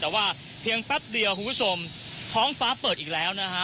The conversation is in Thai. แต่ว่าเพียงแป๊บเดียวคุณผู้ชมท้องฟ้าเปิดอีกแล้วนะฮะ